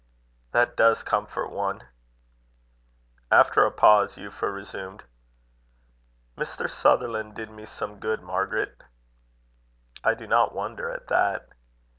"That does comfort one." After a pause, Euphra resumed: "Mr. Sutherland did me some good, Margaret." "I do not wonder at that."